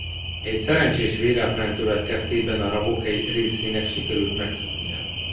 Egy szerencsés véletlen következtében a rabok egy részének sikerült megszöknie.